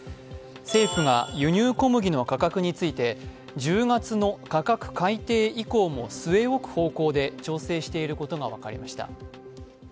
政府が輸入小麦の価格について、１０月の価格改定以降も据え置く方向で調整していることが分かりました。